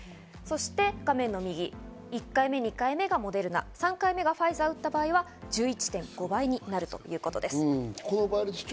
そして１回目、２回目がモデルナ、３回目がファイザーを打った場合は１１．５倍になるということです。